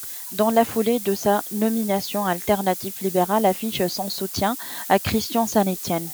Dans la foulée de sa nomination, Alternative libérale affiche son soutien à Christian Saint-Étienne.